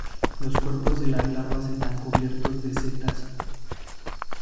Los cuerpos de las larvas están cubiertos de setas.